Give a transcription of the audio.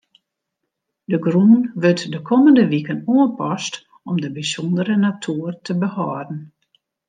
De grûn wurdt de kommende wiken oanpast om de bysûndere natoer te behâlden.